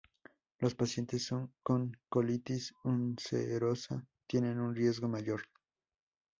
Los pacientes con colitis ulcerosa tienen un riesgo mayor.